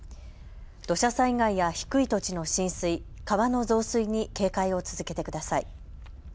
土砂災害や低い土地の浸水、川の増水に警戒を続けてください。